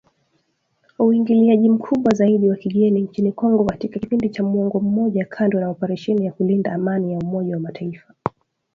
Uingiliaji mkubwa zaidi wa kigeni nchini Congo katika kipindi cha muongo mmoja kando na operesheni ya kulinda amani ya Umoja wa mataifa.